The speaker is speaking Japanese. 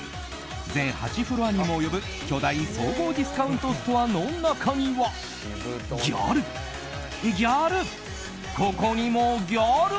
全８フロアにも及ぶ巨大総合ディスカウントストアの中にはギャル、ギャル